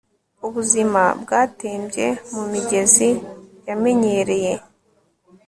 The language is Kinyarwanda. Ubuzima bwatembye mumigezi yamenyereye